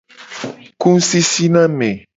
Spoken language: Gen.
Ku ngusisi na ame.